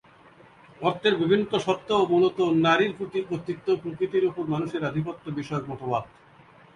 অর্থের বিভিন্নতা সত্ত্বেও মুলত নারীর প্রতি কর্তৃত্ব ও প্রকৃতির ওপর মানুষের আধিপত্য বিষয়ক মতবাদ।